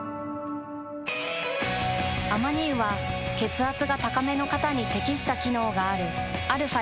アマニ油は血圧が高めの方に適した機能があるαー